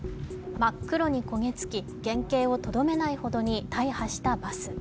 真っ黒に焦げつき、原形をとどめないほどに大破したバス。